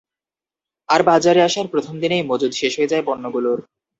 আর বাজারে আসার প্রথম দিনেই মজুত শেষ হয়ে যায় পণ্যগুলোর।